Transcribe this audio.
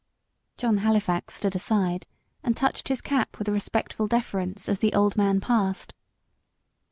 John Halifax stood aside, and touched his cap with a respectful deference, as the old man passed.